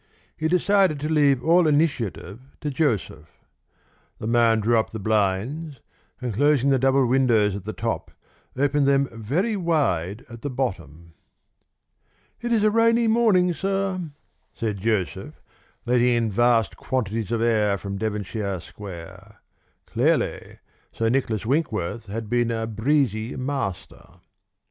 He decided to leave all initiative to Joseph. The man drew up the blinds, and, closing the double windows at the top, opened them very wide at the bottom. "It is a rainy morning, sir," said Joseph, letting in vast quantities of air from Devonshire Square. Clearly, Sir Nicholas Winkworth had been a breezy master.